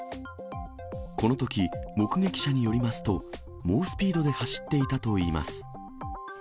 このとき、目撃者によりますと、猛スピードで走っていたといいます。